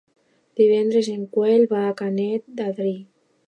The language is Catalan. Divendres en Quel va a Canet d'Adri.